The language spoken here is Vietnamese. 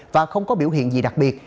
và không có biểu hiện gì đặc biệt